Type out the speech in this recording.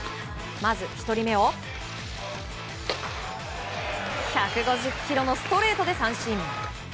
まず１人目を１５０キロのストレートで三振。